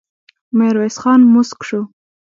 ميرويس خان موسک شو.